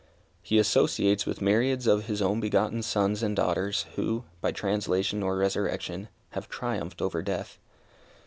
He associates with myriads of His own begotten sons and daughters who, by translation or resurrection, have triumphed over death.